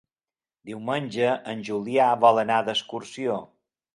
Diumenge en Julià vol anar d'excursió.